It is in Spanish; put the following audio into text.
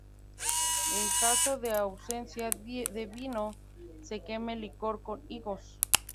En caso de ausencia de vino, se quema el licor con higos.